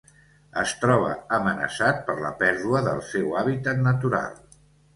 Es troba amenaçat per la pèrdua del seu hàbitat natural.